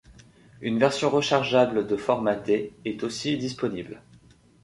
Une version rechargeable de format D est aussi disponible.